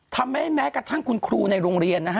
ทำให้แม้กระทั่งคุณครูในโรงเรียน